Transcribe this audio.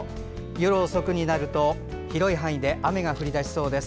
夜遅くになると広い範囲で雨が降り出しそうです。